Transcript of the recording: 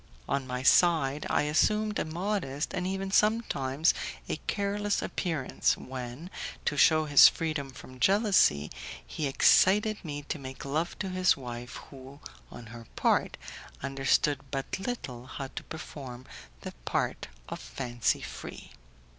On my side I assumed a modest, and even sometimes a careless appearance, when, to shew his freedom from jealousy, he excited me to make love to his wife, who, on her part, understood but little how to perform the part of fancy free.